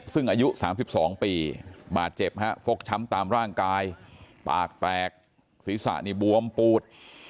ซึ่งอายุ๓๒ปีบาดเจ็บฮะฟกช้ำตามร่างกายปากแตกศีรษะนี่บวมปูด